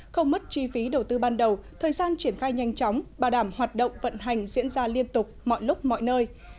không mất chi phí đầu tư ban đầu thời gian triển khai nhanh chóng bảo đảm hoạt động vận hành diễn ra liên tục mọi lúc mọi nơi